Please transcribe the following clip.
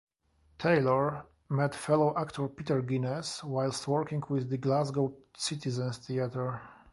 Taylor met fellow actor Peter Guinness whilst working with the Glasgow Citizens Theatre.